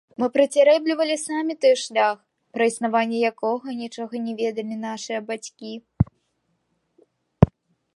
Мы працярэблівалі самі той шлях, пра існаванне якога нічога не ведалі нашыя бацькі.